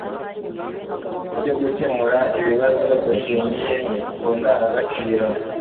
ryo gukemura ibibazo dushingiye ku ndangagaciro